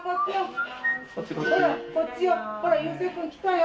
ほらこっちよ。